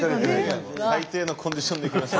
スタジオ最低のコンディションで行きました。